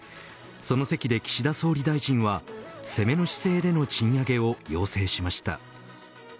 その席で岸田総理大臣は攻めの姿勢での賃上げを要請しました。